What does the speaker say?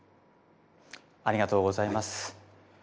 ありがとうございます。